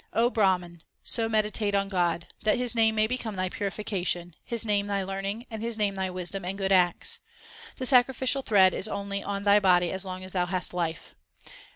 Brahman, so meditate on God That His name may become thy purification, His name thy learning, and His name thy wisdom and good acts. The sacrificial thread is only on thy body as long as thou hast life.